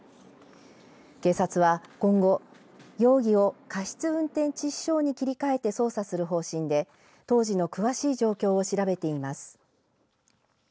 警察は今後容疑を過失運転致死傷に切り替えて捜査する方針で当時の詳しい状況を調べています。